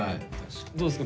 どうですか？